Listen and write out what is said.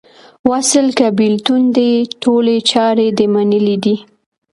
وصل که بیلتون دې ټولي چارې دې منلې دي